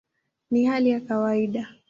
Ni hali ya kawaida".